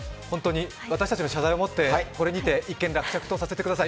私たちの謝罪をもってこれにて一件落着とさせてください。